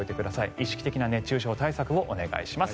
意識的な熱中症対策をお願いします。